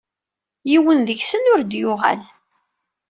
Yiwen deg-sen ur d-yuɣal.